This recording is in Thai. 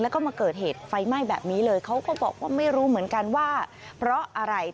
แล้วก็มาเกิดเหตุไฟไหม้แบบนี้เลยเขาก็บอกว่าไม่รู้เหมือนกันว่าเพราะอะไร